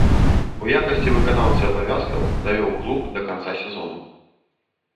У якасці выканаўцы абавязкаў давёў клуб да канца сезону.